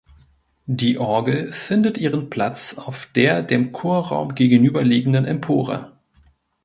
Die Orgel findet ihren Platz auf der dem Chorraum gegenüberliegenden Empore.